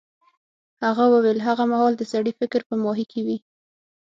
هغه وویل هغه مهال د سړي فکر په ماهي کې وي.